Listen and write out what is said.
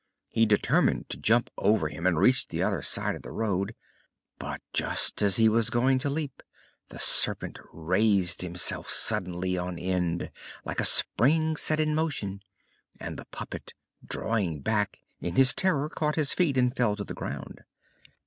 He determined to jump over him and reach the other side of the road. But, just as he was going to leap, the Serpent raised himself suddenly on end, like a spring set in motion; and the puppet, drawing back, in his terror caught his feet and fell to the ground.